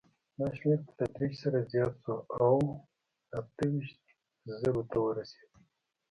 دا شمېر په تدریج سره زیات شو او اته ویشت زرو ته ورسېد.